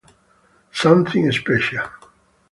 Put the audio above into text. Something Special